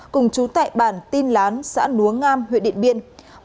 cùng chú tại bản tin lán xã núa ngam huyện điện biên